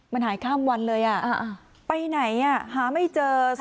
มันหายข้ามวันเลยอ่ะอ่ะอ่ะไปไหนอ่ะหาไม่เจอค่ะ